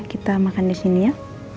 kita makan disini ya